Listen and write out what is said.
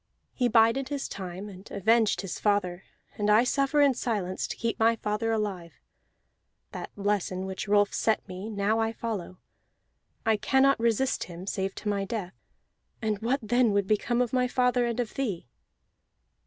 He bided his time and avenged his father; and I suffer in silence, to keep my father alive. That lesson which Rolf set me, now I follow; I cannot resist him, save to my death, and what then would become of my father and of thee?"